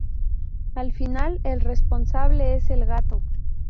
Al final, el responsable es el gato.